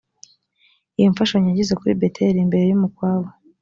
iyo mfashanyo yageze kuri beteli mbere y’umukwabu